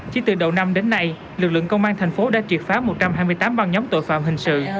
chỉ từ đầu năm đến nay lực lượng công an thành phố đã triệt phá một trăm hai mươi tám băng nhóm tội phạm hình sự